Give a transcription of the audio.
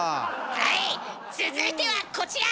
はい続いてはこちら！